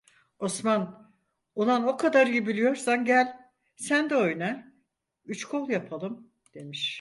Osman: "Ulan o kadar iyi biliyorsan gel sen de oyna, üç kol yapalım!" demiş.